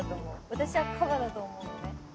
私はカバだと思うのね。